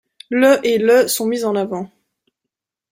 Le et le sont mis en avant.